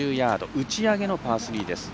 打ち上げのパー３です。